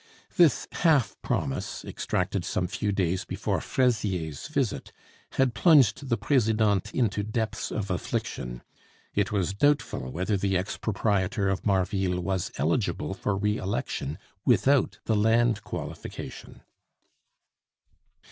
This half promise, extracted some few days before Fraisier's visit, had plunged the Presidente into depths of affliction. It was doubtful whether the ex proprietor of Marville was eligible for re election without the land qualification.